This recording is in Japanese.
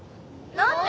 何で？